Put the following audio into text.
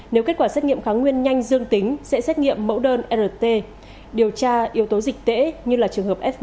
nếu kết quả xét nghiệm kháng nguyên nhanh dương tính sẽ xét nghiệm mẫu đơn rt điều tra yếu tố dịch tễ như là trường hợp f một